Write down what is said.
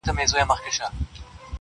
ګورم چرته پته د پرېوتو ستورو ځم